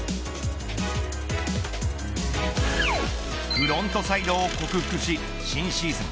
フロントサイドを克服し新シーズン